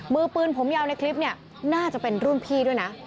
มือปืนผมยาวในคลิปเนี่ยน่าจะเป็นรุ่นพี่ด้วยนะ